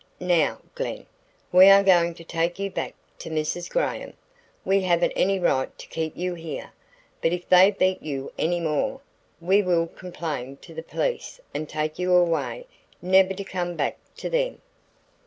Now, Glen, we are going to take you back to Mrs. Graham. We haven't any right to keep you here, but if they beat you any more, we will complain to the police and take you away never to come back to them."